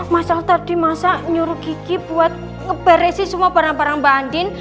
masal tadi masa nyuruh gigi buat ngeberesi semua barang barang mbak andin